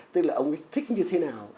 tức là ông ấy thích như thế nào